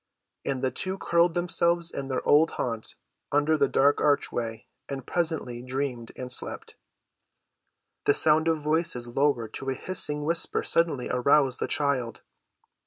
And the two curled themselves in their old haunt under the dark archway and presently dreamed and slept. The sound of voices lowered to a hissing whisper suddenly aroused the child.